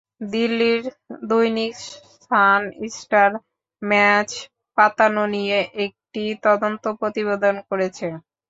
দিল্লির দৈনিক Sun Star match পাতানো নিয়ে একটি তদন্ত প্রতিবেদন করেছে।